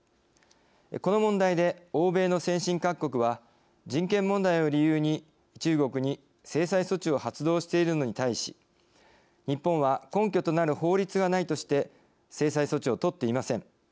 この問題で欧米の先進各国は人権問題を理由に中国に制裁措置を発動しているのに対し日本は根拠となる法律がないとして制裁措置をとっていません。